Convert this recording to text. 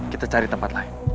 kita cari tempat lain